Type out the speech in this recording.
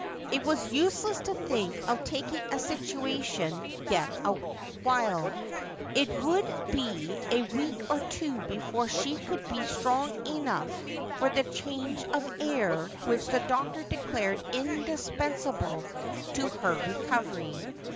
It was useless to think of taking a situation yet awhile ; it would be a week or two before she could be strong enough for the change of .air which the doctor declared indispensable to her recovery.